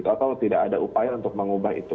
atau tidak ada upaya untuk mengubah itu